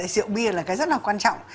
rượu bia là cái rất là quan trọng